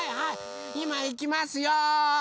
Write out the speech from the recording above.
いまいきますよ！